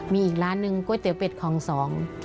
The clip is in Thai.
มีอีกร้านหนึ่งก๋วยเตี๋เป็ดของสอง